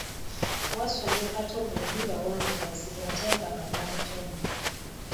Wasswa ne Kato bombi bawanvu bazibu ate nga bannabutono.